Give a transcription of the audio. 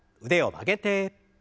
腕を曲げて。